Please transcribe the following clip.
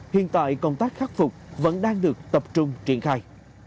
hiện tại công tác khắc phục vẫn đang được tập trung triển khai